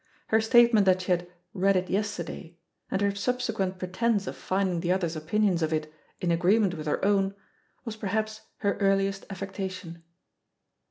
Her statement that she had "read it yesterday'* and her subsequent pretence of finding the other's opinions of it in agreement with her own was perhaps her earliest affectation.